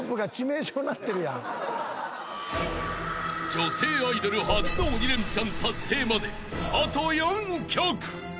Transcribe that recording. ［女性アイドル初の鬼レンチャン達成まであと４曲］